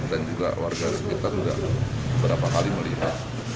dan juga warga di sekitar juga beberapa kali melihat